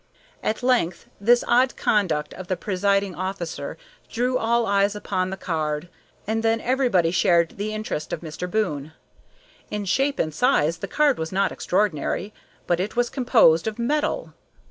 At length this odd conduct of the presiding officer drew all eyes upon the card, and then everybody shared the interest of Mr. Boon. In shape and size the card was not extraordinary, but it was composed of metal.